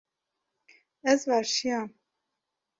Ez verşiyam.